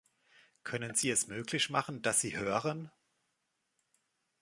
Können Sie es möglich machen, dass sie hören?